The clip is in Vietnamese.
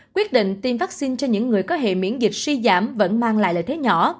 quyết định tiêm vaccine cho những người có hệ miễn dịch suy giảm vẫn mang lại lợi thế nhỏ